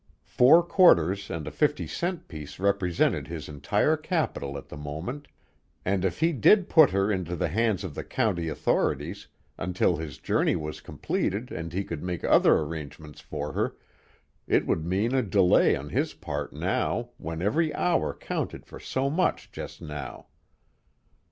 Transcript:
Four quarters and a fifty cent piece represented his entire capital at the moment, and if he did put her into the hands of the county authorities until his journey was completed and he could make other arrangements for her, it would mean a delay on his part now, when every hour counted for so much just now.